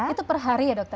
itu per hari ya dokter